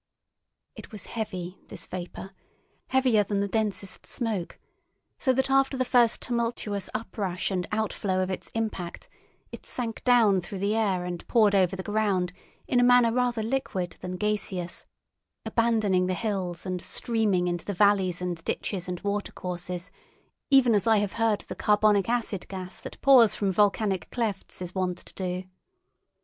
It was heavy, this vapour, heavier than the densest smoke, so that, after the first tumultuous uprush and outflow of its impact, it sank down through the air and poured over the ground in a manner rather liquid than gaseous, abandoning the hills, and streaming into the valleys and ditches and watercourses even as I have heard the carbonic acid gas that pours from volcanic clefts is wont to do.